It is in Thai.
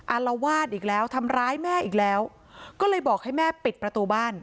อารวาสอีกแล้วทำร้ายแม่อีกแล้วก็เลยบอกให้แม่ปิดประตูบ้าน